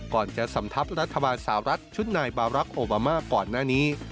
ก่อนจะสำทับรัฐบาลสาวรัฐชุดนายบารักษ์โอบามาก่อนหน้านี้